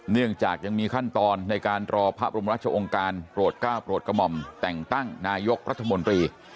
เนื่องจากยังมีขั้นตอนในการรอพระบรมราชองค์การโปรดก้าวโปรดกระหม่อมแต่งตั้งนายกรัฐมนตรี